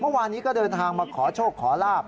เมื่อวานนี้ก็เดินทางมาขอโชคขอลาบ